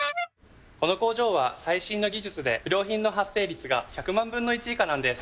この工場は最新の技術で不良品の発生率が１００万分の１以下なんです。